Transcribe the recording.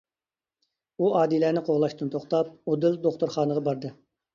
ئۇ ئادىلەنى قوغلاشتىن توختاپ ئۇدۇل دوختۇرخانىغا باردى.